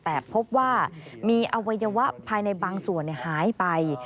แต่พบว่ามีอวัยวะภายในบางส่วนหายไป